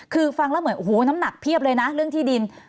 คือฟังแล้วเหมือนโอ้โหน้ำหนักเพียบเลยนะเรื่องที่ดิน